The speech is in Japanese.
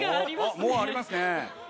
もうありますね。